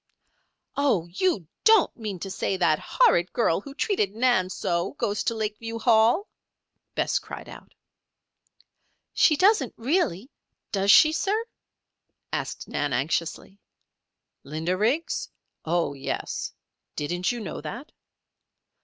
"Oh! you don't mean to say that that horrid girl who treated Nan so, goes to Lakeview Hall?" Bess cried out. "She doesn't, really, does she, sir?" asked Nan, anxiously. "Linda Riggs? Oh, yes. Didn't you know that?"